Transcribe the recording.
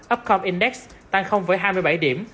upcom index tăng hai mươi bảy điểm